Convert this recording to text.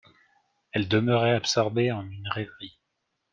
Elle demeurait absorbée en une rêverie.